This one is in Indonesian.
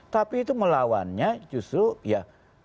tapi itu melawannya justru ya